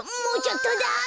もうちょっとだ。